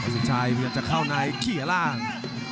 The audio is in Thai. สินชัยจะเข้าในขี่อร่าง